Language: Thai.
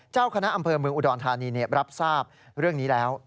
เจ้าคณะอำเภอเมืองอุดรธานีรับทราบเรื่องนี้แล้ว